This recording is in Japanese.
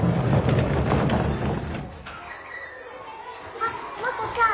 あっマコちゃん！